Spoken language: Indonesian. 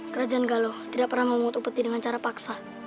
kerajaan galuh tidak pernah memutuh peti dengan cara paksa